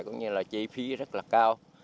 cũng như là chi phí rất là cao